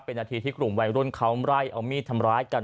เป็นนาทีที่กลุ่มวัยรุ่นเขาไล่เอามีดทำร้ายกัน